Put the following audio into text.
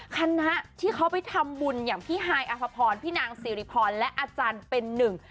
คณะที่เขาไปทำบุญอย่างพี่ฮายอภพรพี่นางสิริพรและอาจารย์เป็นหนึ่ง